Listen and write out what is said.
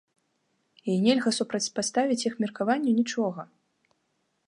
І нельга супрацьпаставіць іх меркаванню нічога!